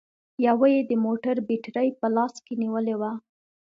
يوه يې د موټر بېټرۍ په لاس کې نيولې وه